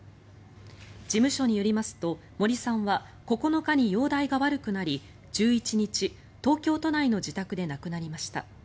事務所によりますと、森さんは９日に容体が悪くなり１１日、東京都内の自宅で亡くなりました。